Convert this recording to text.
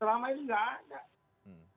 selama ini tidak ada